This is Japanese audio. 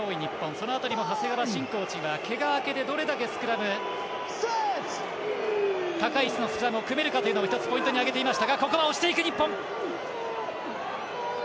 その辺りも長谷川慎コーチはけが明けで、どれだけ高い質のスクラムを組めるかをポイントに挙げていました。